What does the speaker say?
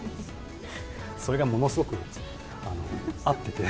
それがものすごく合ってて。